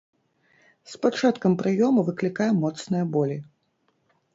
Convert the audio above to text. З пачаткам прыёму выклікае моцныя болі.